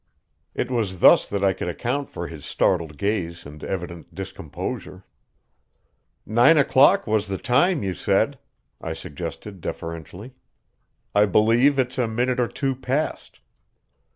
It was thus that I could account for his startled gaze and evident discomposure. "Nine o'clock was the time, you said," I suggested deferentially. "I believe it's a minute or two past."